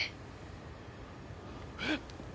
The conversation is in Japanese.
えっ？